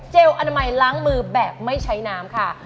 อนามัยล้างมือแบบไม่ใช้น้ำค่ะ